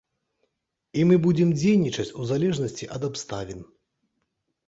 І мы будзем дзейнічаць у залежнасці ад абставін.